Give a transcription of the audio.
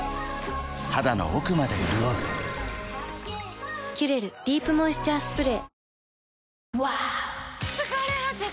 肌の奥まで潤う「キュレルディープモイスチャースプレー」